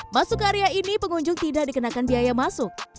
masuk area ini pengunjung tidak dikenakan biaya masuk